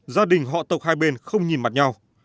gia đình họ tộc hai bên không nhìn mặt nhau